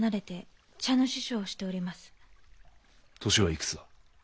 年はいくつだ？